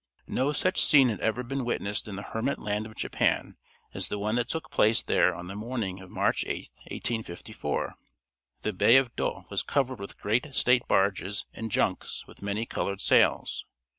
No such scene had ever been witnessed in the hermit land of Japan as the one that took place there on the morning of March 8, 1854. The bay of Yedo was covered with great state barges and junks with many colored sails.